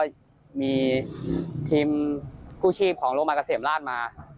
ก็มีทีมกู้ชีพของโรงพยาบาลเกษมราชมา